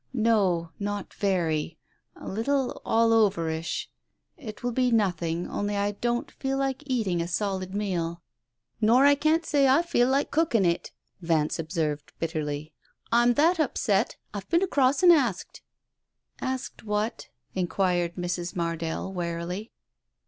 "No, not very — a little all overish. It will be nothing, only I don't feel like eating a solid meal." " Nor I can't say I feel like cooking it !" Vance observed bitterly. "I'm that upset! I've been across and asked." "Asked what?" inquired Mrs. Mardell wearily.